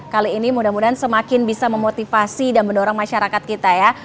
kali ini mudah mudahan semakin bisa memotivasi dan mendorong masyarakat kita ya